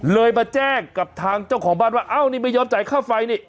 มาแจ้งกับทางเจ้าของบ้านว่าอ้าวนี่ไม่ยอมจ่ายค่าไฟนี่